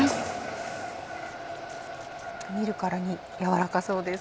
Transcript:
見るからに軟らかそうです。